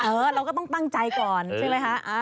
เราก็ต้องตั้งใจก่อนใช่ไหมคะ